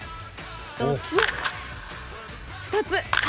１つ、２つ。